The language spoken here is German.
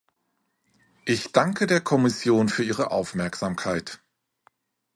Ich danke der Kommission für ihre Aufmerksamkeit.